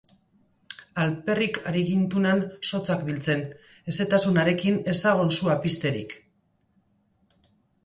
Alperrik ari gintunan zotzak biltzen, hezetasun harekin ez zagon sua pizterik.